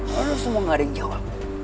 kalo lo semua gak ada yang jawab